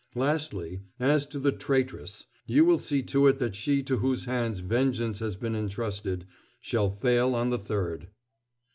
Lastly, as to the traitress, you will see to it that she to whose hands vengeance has been intrusted shall fail on the 3rd.